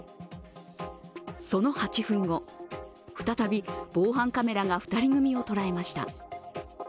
その８分後、再び防犯カメラが２人組を捉えました。